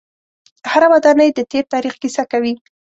هره ودانۍ د تیر تاریخ کیسه کوي.